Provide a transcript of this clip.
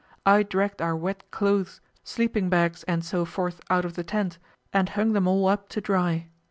I dragged our wet clothes, sleeping bags, and so forth out of the tent, and hung them all up to dry.